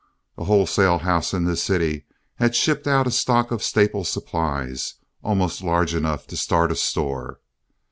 A wholesale house in the city had shipped out a stock of staple supplies, almost large enough to start a store.